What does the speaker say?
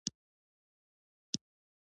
آیا د ځمکې کیناستل یو خطر نه دی؟